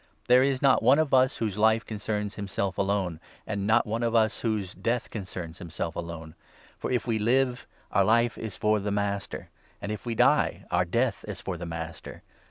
There is not one of us whose life concerns him 7 self alone, and not one of us whose death concerns himself alone ; for, if we live, our life is for the Master, and, if we 8 die, our death is for the Master.